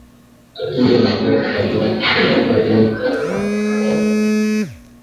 Katumbi aliongozaka jimbo ya katanga vizuri